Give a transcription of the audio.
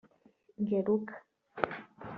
Ngeruka